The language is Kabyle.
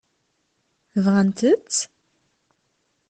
Bɣant-tt?